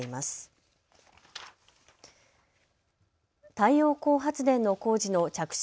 太陽光発電の工事の着手